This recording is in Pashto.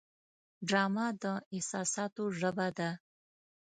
ډرامه د احساساتو ژبه ده